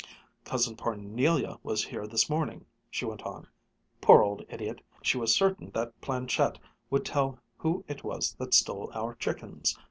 "Cousin Parnelia was here this morning," she went on. "Poor old idiot, she was certain that planchette would tell who it was that stole our chickens.